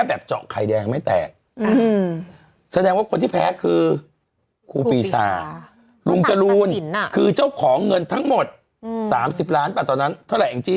เท่าไหร่ไงจี๊๓๐ล้านบาท